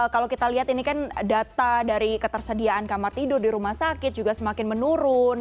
kalau kita lihat ini kan data dari ketersediaan kamar tidur di rumah sakit juga semakin menurun